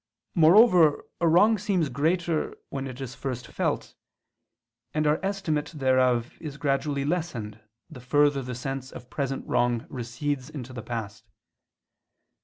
Moreover a wrong seems greater when it is first felt; and our estimate thereof is gradually lessened the further the sense of present wrong recedes into the past.